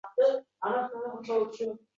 Yo`q, bir o`zim emasdim